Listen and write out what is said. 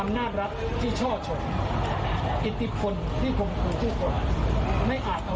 ไม่อาจเขาชนะหัวใจและความรักความเป็นความทุกคน